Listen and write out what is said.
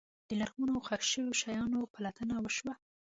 د لرغونو ښخ شوو شیانو پلټنه وشوه.